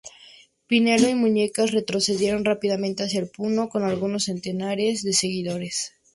Pinelo y Muñecas retrocedieron rápidamente hacia Puno, con algunos centenares de seguidores.